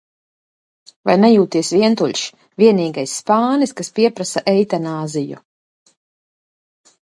Vai nejūties vientuļš: vienīgais spānis, kas pieprasa eitanāziju?